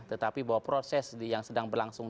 tetapi bahwa proses yang sedang berlangsung